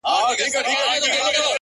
فقير نه يمه سوالگر دي اموخته کړم،